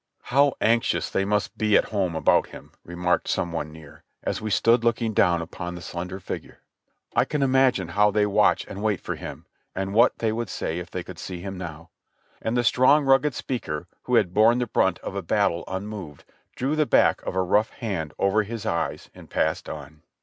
"How anxious they must be at home about him," remarked some one near, as we stood looking down upon the slender figure. "I can imagine how they watch and wait for him, and what would they say if they could see him now !" And the strong, rugged speaker, who had borne the brunt of a battle unmoved, drew the back of a rough hand over his eyes and passed on.